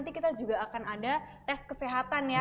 nanti kita juga akan ada tes kesehatan ya